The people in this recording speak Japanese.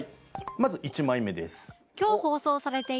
まず１枚目です。